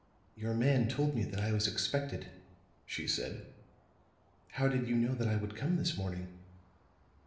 "Your man told me that I was expected," she said. "How did you know that I would come this morning?"